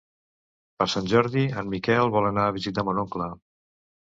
Per Sant Jordi en Miquel vol anar a visitar mon oncle.